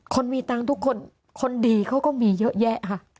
คนมีตังค์ทุกคนคนดีเขาก็มีเยอะแยะค่ะ